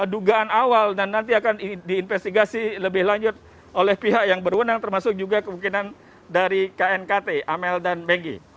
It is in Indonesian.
dugaan awal dan nanti akan diinvestigasi lebih lanjut oleh pihak yang berwenang termasuk juga kemungkinan dari knkt amel dan megi